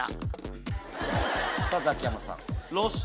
さぁザキヤマさん。